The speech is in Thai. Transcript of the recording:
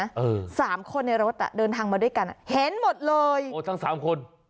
เออสามคนในรถอ่ะเดินทางมาด้วยกันอ่ะเห็นหมดเลยโอ้ทั้งสามคน